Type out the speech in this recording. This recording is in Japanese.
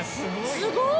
すごい！